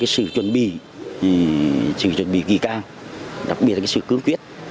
sự chuẩn bị kỳ ca đặc biệt là sự cướp quyết